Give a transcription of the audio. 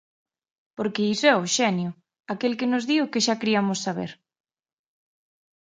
Porque iso é o xenio: aquel que nos di o que xa criamos saber.